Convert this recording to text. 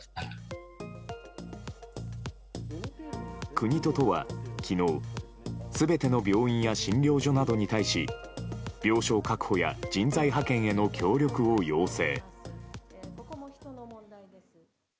国と都は昨日全ての病院や診療所などに対し病床確保や人材派遣への協力を要請。